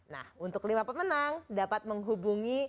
nah untuk lima pemenang dapat menghubungi